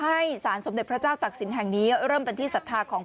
ให้สารสมเด็จพระเจ้าตักศิลปแห่งนี้เริ่มเป็นที่ศรัทธาของ